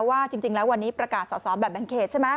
ว่าจริงแล้ววันนี้ประกาศสอสอแบบแบ่งเขตใช่ไหม